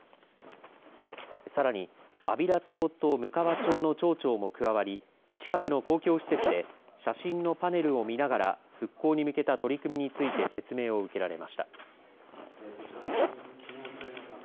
さらに、安平町とむかわ町の町長も加わり近くの公共施設で写真のパネルを見ながら復興に向けた取り組みについて説明を受けられました。